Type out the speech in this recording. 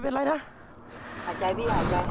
เห็นความใจ